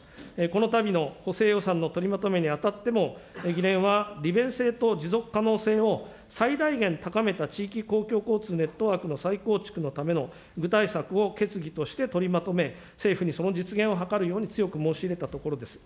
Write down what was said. このたびの補正予算の取りまとめにあたっても、議連は利便性と持続可能性を最大限高めた地域公共交通ネットワークの再構築のための具体策を決議として取りまとめ、政府にその実現を図るように強く申し入れたところです。